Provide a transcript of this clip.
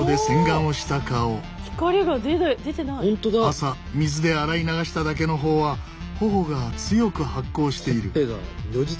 朝水で洗い流しただけの方は頬が強く発光している。